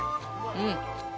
うん。